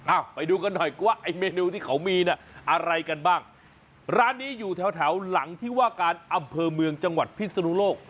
ไปดูกันหน่อยว่าไอ้เมนูที่เขามีน่ะอะไรกันบ้างร้านนี้อยู่แถวแถวหลังที่ว่าการอำเภอเมืองจังหวัดพิศนุโลก